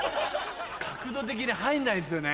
角度的に入んないんですよね。